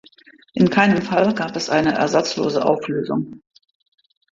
In keinem Fall gab es eine ersatzlose Auflösung.